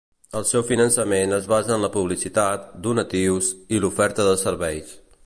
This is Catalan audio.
El seu finançament es basa en la publicitat, donatius i l'oferta de serveis.